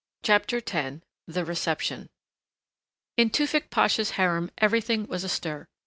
CHAPTER X THE RECEPTION In Tewfick Pasha's harem everything was astir.